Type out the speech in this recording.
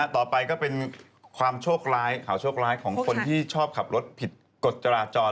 ต่อไปก็เป็นข่าวโชคร้ายของคนที่ชอบขับรถผิดกฎจราจร